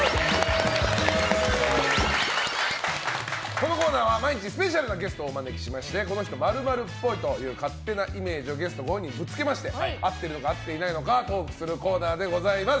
このコーナーは毎日スペシャルなゲストをお招きしましてこの人○○っぽいという勝手なイメージをゲストご本人にぶつけて合ってるのか合っていないのかトークするコーナーでございます。